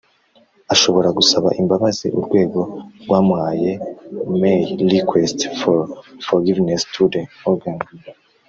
ashobora gusaba imbabazi urwego rwamuhaye may request for forgiveness to the organ